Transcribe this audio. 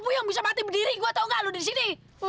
puyeng bisa mati berdiri gue tahu gak lo di sini